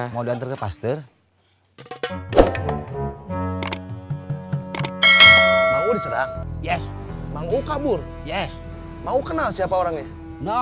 mau sedang yes mau kabur yes mau kenal siapa orangnya no